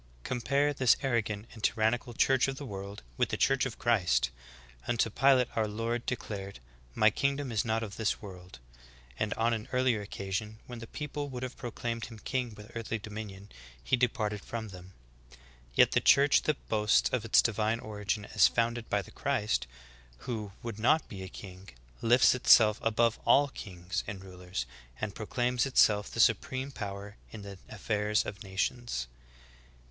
11. Compare this arrogant and tyrannical church of the world with the Church of Christ. Unto Pilate our Lord de clared, "My kingdom is not of this world ,"^ and on an earlier occasion, when the people w ould have proclaimed Him king with earthly dominion,^ He departed from them. Yet the Church that boasts of its divine origin as founded by the Christ, who would not be a king, lifts itself above all kings and rulers, and proclaims itself the supreme power in the affairs of nations.